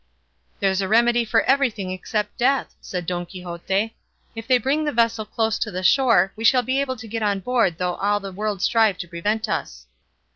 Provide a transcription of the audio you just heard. "There's a remedy for everything except death," said Don Quixote; "if they bring the vessel close to the shore we shall be able to get on board though all the world strive to prevent us."